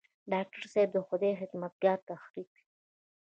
ډاکټر صېب د خدائ خدمتګار تحريک